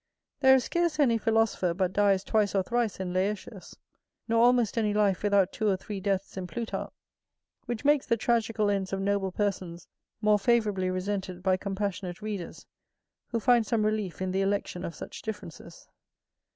There is scarce any philosopher but dies twice or thrice in Laertius; nor almost any life without two or three deaths in Plutarch; which makes the tragical ends of noble persons more favourably resented by compassionate readers who find some relief in the election of such differences.